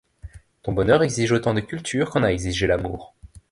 Ton bonheur exige autant de culture qu’en a exigé l’amour.